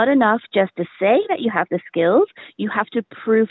tidak cukup untuk mengatakan bahwa anda memiliki kemahiran